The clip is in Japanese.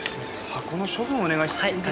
箱の処分お願いしていいですか？